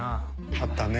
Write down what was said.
あったね。